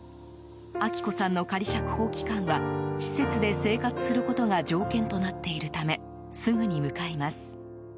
明子さんの仮釈放期間は施設で生活することが条件となっているためすぐに向かいます。